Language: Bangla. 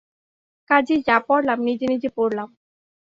কাজেই যা পরলাম, নিজে নিজে পরলাম।